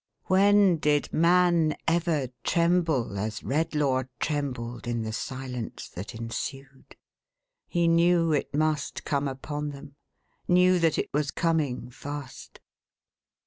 When 'did man ever tremble, as Redlaw trembled, in the silence that ensued! He knew it must come upon them, knew that it was coming fast.